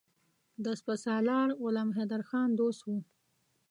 د سپه سالار غلام حیدرخان دوست وو.